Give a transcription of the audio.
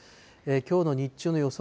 きょうの日中の予想